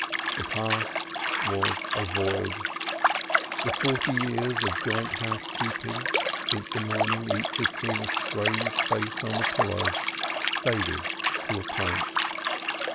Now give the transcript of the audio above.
The past was a void, the forty years of joint housekeeping, since the morning each had seen a strange face on the pillow, faded to a point.